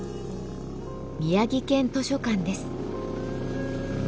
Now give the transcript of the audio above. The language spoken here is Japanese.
宮城県図書館です。